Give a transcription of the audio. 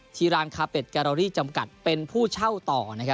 ที่ร้านคาเป็ดแกรอรี่จำกัดเป็นผู้เช่าต่อ